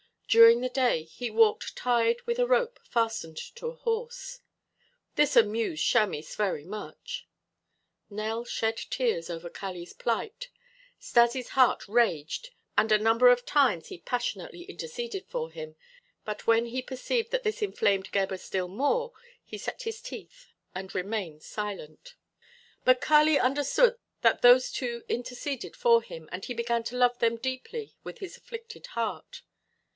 During the day he walked tied with a rope fastened to a horse; this amused Chamis very much. Nell shed tears over Kali's plight. Stas' heart raged and a number of times he passionately interceded for him, but when he perceived that this inflamed Gebhr still more, he set his teeth and remained silent. But Kali understood that those two interceded for him, and he began to love them deeply with his afflicted heart.